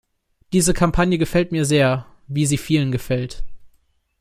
Diese Kampagne gefällt mir sehr, wie sie vielen gefällt.